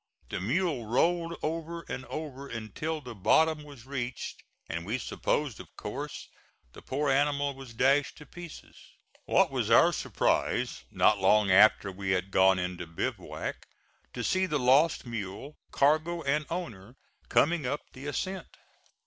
The mule rolled over and over until the bottom was reached, and we supposed of course the poor animal was dashed to pieces. What was our surprise, not long after we had gone into bivouac, to see the lost mule, cargo and owner coming up the ascent.